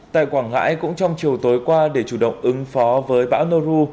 tại quảng ngãi cũng trong chiều tối qua để chủ động ứng phó với bão noru